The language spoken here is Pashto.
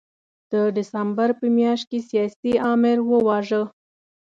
د ډسمبر په میاشت کې سیاسي آمر وواژه.